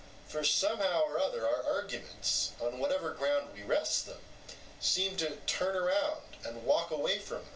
For somehow or other our arguments, on whatever ground we rest them, seem to turn round and walk away from us.